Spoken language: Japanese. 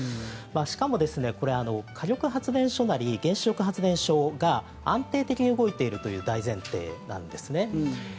しかもですね、これ火力発電所なり原子力発電所が安定的に動いているという大前提なんですね。